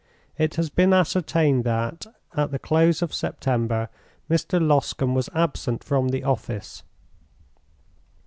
It has been ascertained that, at the close of September, Mr. Loscombe was absent from the office.